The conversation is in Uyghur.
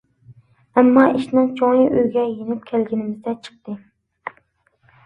ئەمما ئىشنىڭ چوڭى ئۆيگە يېنىپ كەلگىنىمىزدە چىقتى.